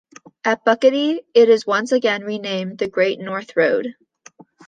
At Bucketty, it is once again renamed the Great North Road.